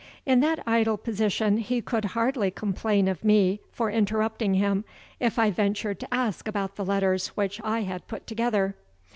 In that idle position he could hardly complain of me for interrupting him, if I ventured to talk about the letters which I had put together.